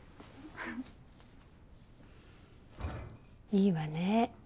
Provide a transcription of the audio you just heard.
いいわね。